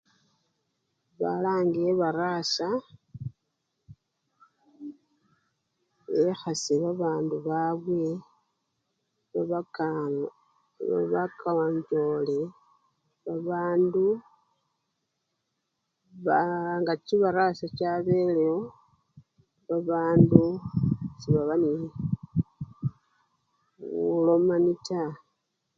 Balange ebarasa bekhasye babandu babwe babaka! babakonchole, babandu baa! nga chibarasa chabelewo babandu sebaba nee bulomani taa.